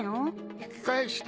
引き返した？